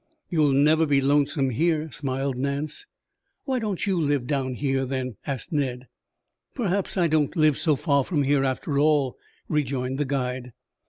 "You'd never be lonesome here," smiled Nance. "Why don't you live down here, then?" asked Ned. "Perhaps I don't live so far from here, after all," rejoined the guide.